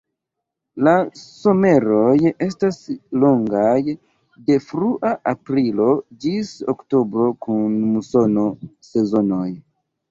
La someroj estas longaj, de frua aprilo ĝis oktobro kun musono-sezonoj.